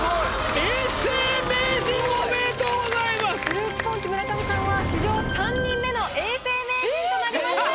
フルーツポンチ村上さんは史上３人目の永世名人となりました。